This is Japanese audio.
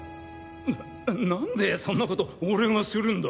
な何でそんなこと俺がするんだ？